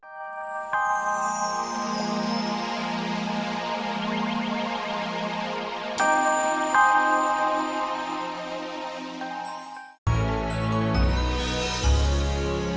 jangan lupa like share dan subscribe